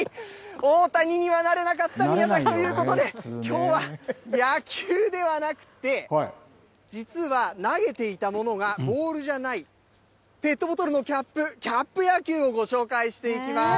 大谷にはなれなかった宮崎ということで、きょうは野球ではなくて、実は投げていたものがボールじゃない、ペットボトルのキャップ、キャップ野球をご紹介していきます。